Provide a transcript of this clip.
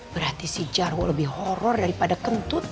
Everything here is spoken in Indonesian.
berarti si jarwo lebih horror daripada kentut